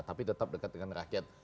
tapi tetap dekat dengan rakyat